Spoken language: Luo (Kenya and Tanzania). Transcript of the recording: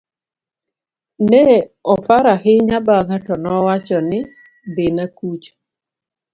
ne oparo ahinya bang'e to nowacho ni dhina kucha